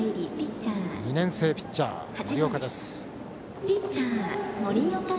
２年生ピッチャー、森岡。